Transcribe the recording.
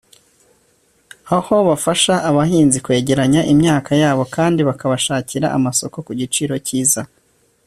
aho bafasha abahinzi kwegeranya imyaka yabo kandi bakabashakira amasoko ku giciro cyiza